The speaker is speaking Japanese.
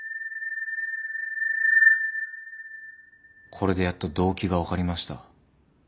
これでやっと動機が分かりました。